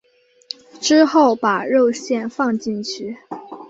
之后把肉馅放进去。